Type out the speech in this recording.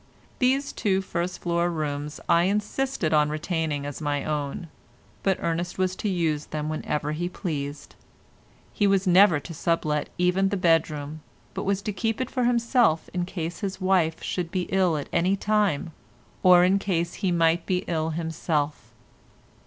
These two first floor rooms I insisted on retaining as my own, but Ernest was to use them whenever he pleased; he was never to sublet even the bedroom, but was to keep it for himself in case his wife should be ill at any time, or in case he might be ill himself.